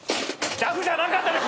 ＪＡＦじゃなかったです。